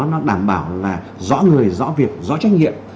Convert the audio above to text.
nó đảm bảo là rõ người rõ việc rõ trách nhiệm